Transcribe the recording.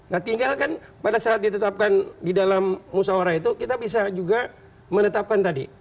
nah tinggal kan pada saat ditetapkan di dalam musawarah itu kita bisa juga menetapkan tadi